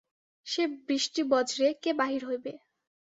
সে বৃষ্টিবজ্রে কে বাহির হইবে।